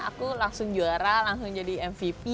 aku langsung juara langsung jadi mvp